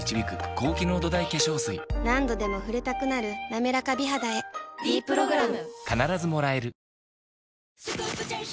何度でも触れたくなる「なめらか美肌」へ「ｄプログラム」